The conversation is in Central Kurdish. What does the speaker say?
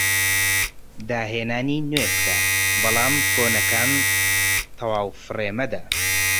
داهێنانی نوێ بکە بەڵام کۆنەکان تەواو فڕێ مەدە